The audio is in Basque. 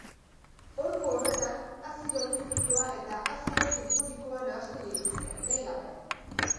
Ordu horretan azido nitrikoa eta azido sulfurikoa nahastu dituzte, nahi gabe.